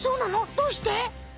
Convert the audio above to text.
どうして？